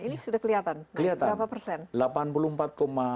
ini sudah kelihatan berapa persen